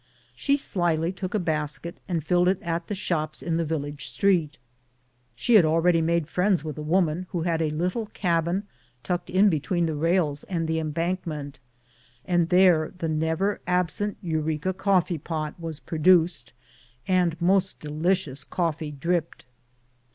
She slyly took a basket and filled it at the shops in the village street. She had already made friends with a woman who had a little cabin tucked in between the rails and the em CHANGE OF STATION. 15 bankment, and there the never absent " eureka " coffee pot was produced and most delicious coffee dripped.